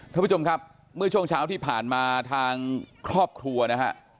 ท่านผู้ชมครับเมื่อช่วงเช้าที่ผ่านมาทางครอบครัวนะฮะ